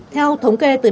theo thống kê từ đcnh